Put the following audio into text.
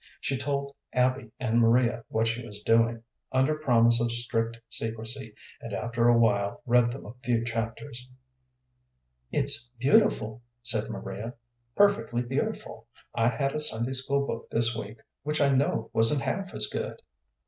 She told Abby and Maria what she was doing, under promise of strict secrecy, and after a while read them a few chapters. "It's beautiful," said Maria "perfectly beautiful. I had a Sunday school book this week which I know wasn't half as good."